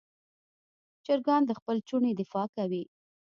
چرګان د خپل چوڼې دفاع کوي.